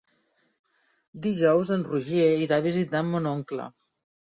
Dijous en Roger irà a visitar mon oncle.